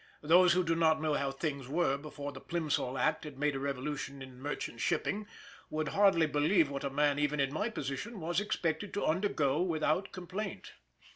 Those who do not know how things were before the Plimsoll Act had made a revolution in Merchant Shipping would hardly believe what a man even in my position was expected to undergo without complaint.